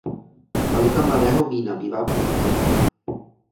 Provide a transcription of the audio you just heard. Kvalita mladého vína bývá průměrná.